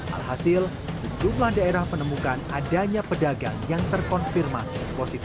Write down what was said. alhasil sejumlah daerah menemukan adanya pedagang yang terkonfirmasi positif